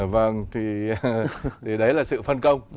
vâng thì đấy là sự phân công